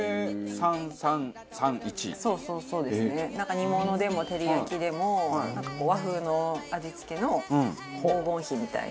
煮物でも照り焼きでもなんかこう和風の味付けの黄金比みたいな。